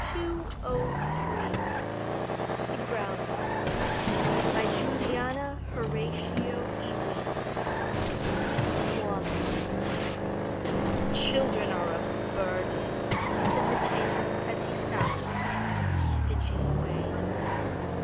THE BROWNIES BY JULIANA HORATIA EWING I "Children are a burden," said the tailor, as he sat on his bench stitching away.